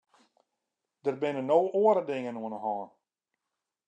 Der binne no oare dingen oan de hân.